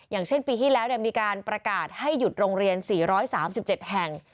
อย่างเช่นปีที่แล้วมีการประกาศให้หยุดโรงเรียน๔๓๗แห่ง